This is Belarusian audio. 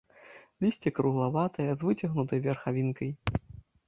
Лісце круглаватае, з выцягнутай верхавінкай.